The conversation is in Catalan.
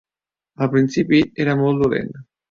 Al principi, era molt dolent.